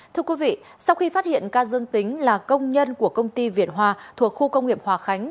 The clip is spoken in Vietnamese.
thưa quý vị sau khi phát hiện ca dương tính là công nhân của công ty việt hòa thuộc khu công nghiệp hòa khánh